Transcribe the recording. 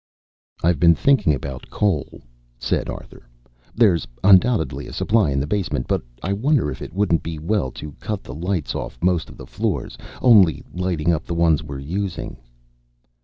"I've been thinking about coal," said Arthur. "There's undoubtedly a supply in the basement, but I wonder if it wouldn't be well to cut the lights off most of the floors, only lighting up the ones we're using."